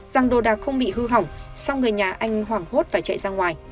rằng đồ đạc không bị hư hỏng xong người nhà anh hoảng hốt phải chạy ra ngoài